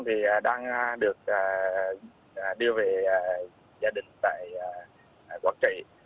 số nạn nhân tử vong đang được đưa về gia đình tại quảng trị